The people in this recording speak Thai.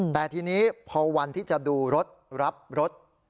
แต่ทีนี้พอวันที่จะดูรถรับรถ